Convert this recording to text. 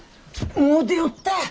もう出よった。